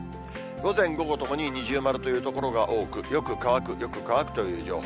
午前、午後ともに二重丸という所が多く、よく乾く、よく乾くという情報。